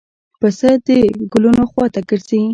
پسه د ګلونو خوا ته ګرځي.